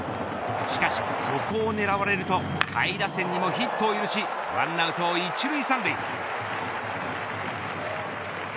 しかし、そこを狙われると下位打線にもヒットを許し１アウト１塁３塁。